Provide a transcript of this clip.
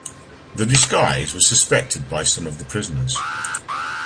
The disguise was suspected by some of the prisoners.